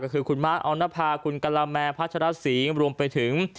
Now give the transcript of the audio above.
คือคุณมา๊กอองนภาคุณกะลาแมพัชรสิงรวมไปถึง